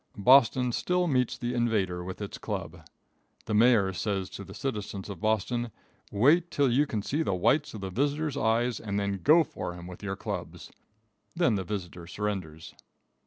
Boston still meets the invader with its club. The mayor says to the citizens of Boston: "Wait till you can see the whites of the visitor's eyes, and then go for him with your clubs." Then the visitor surrenders.